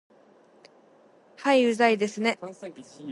はい、うざいですね